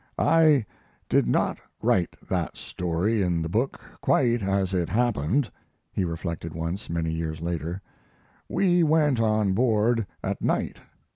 "I did not write that story in the book quite as it happened," he reflected once, many years later. "We went on board at night.